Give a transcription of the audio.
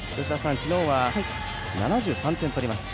昨日は７３点取りました。